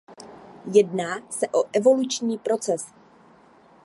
Jedná se o evoluční proces.